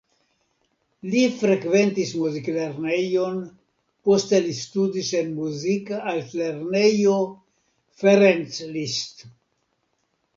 Li frekventis muziklernejon, poste li studis en Muzikarta Altlernejo Ferenc Liszt.